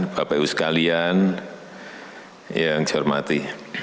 bapak ibu sekalian yang saya hormati